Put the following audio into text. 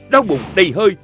đau bụng đầy hơi